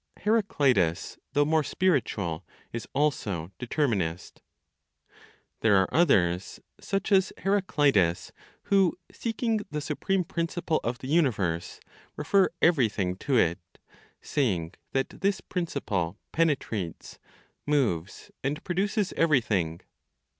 HERACLITUS, THOUGH MORE SPIRITUAL, IS ALSO DETERMINIST. There are others (such as Heraclitus), who, seeking the (supreme) principle of the universe, refer everything to it; saying that this principle penetrates, moves, and produces everything.